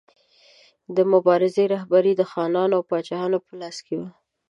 د مبارزې رهبري د خانانو او پاچاهانو په لاس کې وه.